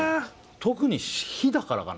特に火だからかな？